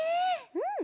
うん！